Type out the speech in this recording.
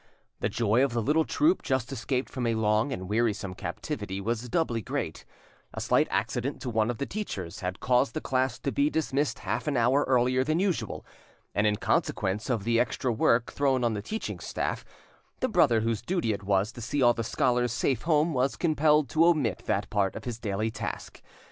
The joy of the little troop just escaped from a long and wearisome captivity was doubly great: a slight accident to one of the teachers had caused the class to be dismissed half an hour earlier than usual, and in consequence of the extra work thrown on the teaching staff the brother whose duty it was to see all the scholars safe home was compelled to omit that part of his daily task.